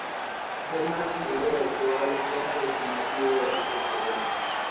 Es el máximo ídolo del cuadro crema y el primer ídolo del fútbol peruano.